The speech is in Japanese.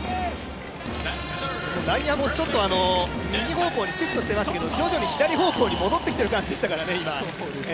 内野も右方向にシフトしていましたけれども、徐々に左方向に戻ってきている感じでした。